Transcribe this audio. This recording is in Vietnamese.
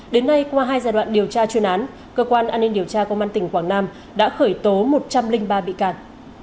đến nay qua hai giai đoạn điều tra chuyên án cơ quan an ninh điều tra công an tỉnh quảng nam đã khởi tố một trăm linh ba bị cạn